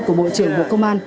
của bộ trưởng bộ công an